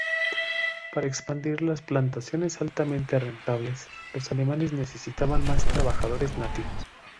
Para expandir las plantaciones altamente rentables, los alemanes necesitaban más trabajadores nativos.